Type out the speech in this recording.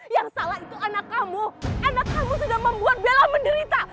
yang salah itu anak kamu anak kamu sudah membuat bella menderita